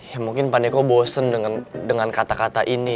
ya mungkin panik kok bosen dengan kata kata ini